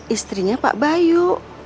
istrinya pak bayu